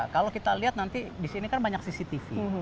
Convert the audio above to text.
kalau kita lihat nanti di sini kan banyak cctv